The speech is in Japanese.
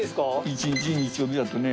１日日曜日だとね